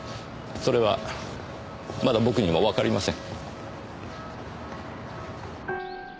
それはまだ僕にもわかりません。